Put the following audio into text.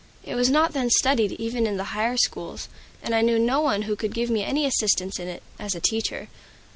It was not then studied even in the higher schools, and I knew no one who could give me any assistance in it, as a teacher.